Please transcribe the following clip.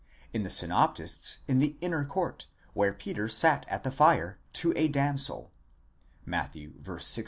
17); in the synoptists, in the inner court, where Peter sat at the fire, to ὦ damsel, παιδίσκη (Matt.